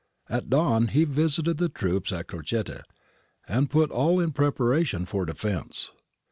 At dawn he visited the troops at Crocette and put all in preparation for defence.